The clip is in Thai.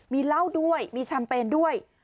มีเหล้าด้วยมีชำเปรนด้วย